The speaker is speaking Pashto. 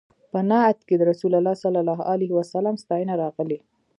په نعت کې د رسول الله صلی الله علیه وسلم ستاینه راغلې.